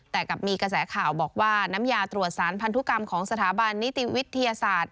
แต่กับมีกระแสข่าวบอกว่าน้ำยาตรวจสารพันธุกรรมของสถาบันนิติวิทยาศาสตร์